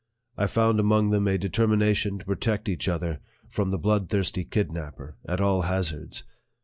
I found among them a determination to protect each other from the blood thirsty kidnapper, at all hazards.